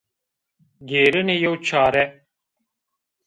Gêrenî yew çare